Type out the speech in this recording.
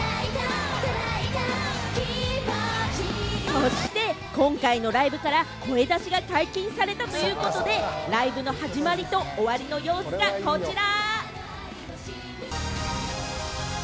そして今回のライブから声出しが解禁されたということで、ライブの始まりと終わりの様子がこちら。